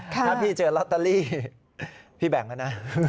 ถ้าพี่เจอลอตเตอรี่พี่แบ่งแล้วนะ